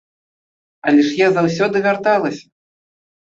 Але ж я заўсёды вярталася.